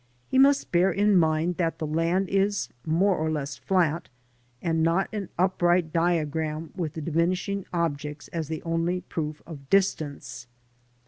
" He must bear in mind that the^land is more or less flat, and not an upright diagram with the diminishing objects as the only proof of distance.